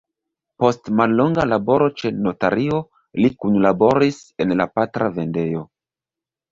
Post mallonga laboro ĉe notario li kunlaboris en la patra vendejo.